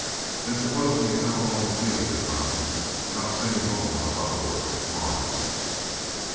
"'Then supposin' you come along with me,' says I, 'an' I'll send you home in a buckboard tomorrow?'